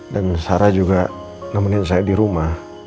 dan sarah juga nemenin saya di rumah